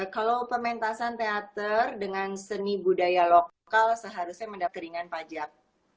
kalau pementasan teater dengan seni budaya lokal seharusnya mendapat keringan pajak